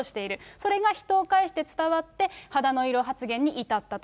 それが人を介して伝わって、肌の色発言に至ったと。